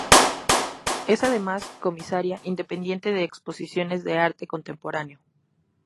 Es además comisaria independiente de exposiciones de arte contemporáneo.